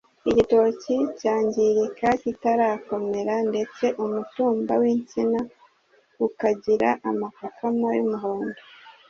igitoki cyangirika kitarakomera ndetse umutumba w’insina ukagira amakakama y’umuhondo